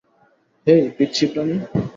হেই, পিচ্চি প্রাণী।